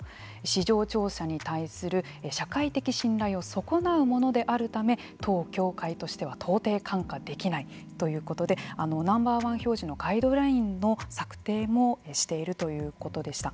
市場調査に対する社会的信頼を損なうものであるため当協会としては到底看過できないということでＮｏ．１表示のガイドラインの策定もしているということでした。